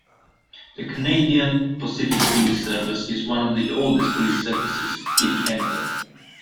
The Canadian Pacific Police Service is one of the oldest police services in Canada.